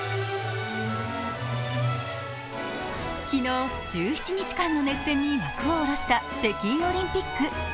昨日１７日間の熱戦に幕を下ろした北京オリンピック。